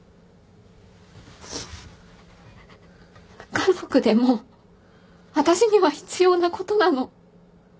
家族でも私には必要なことなの。